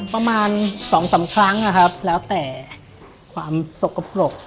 ประมาณ๒๓ครั้งนะครับแล้วแต่ความสกปรก